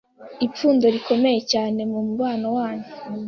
ipfundo rikomeye cyane mu mubano wanyu.